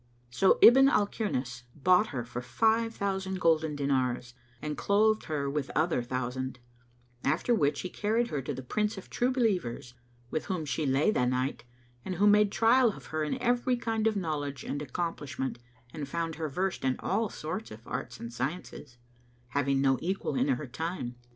So Ibn al Kirnas bought her for five thousand golden dinars and clothed her with other thousand; after which he carried her to the Prince of True Believers, with whom she lay the night and who made trial of her in every kind of knowledge and accomplishment and found her versed in all sorts of arts and sciences, having no equal in her time.